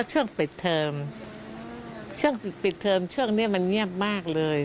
ช่วงปิดเทอมช่วงนี้มันเงียบมากเลย